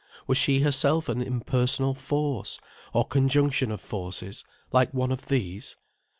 Was she herself an impersonal force, or conjunction of forces, like one of these?